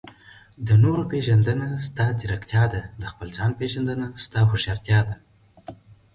د نورو پېژندنه؛ ستا ځیرکتیا ده. د خپل ځان پېژندنه؛ ستا هوښيارتيا ده.